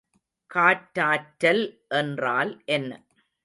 காற்றாற்றல் என்றால் என்ன?